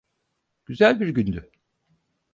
Güzel bir gündü.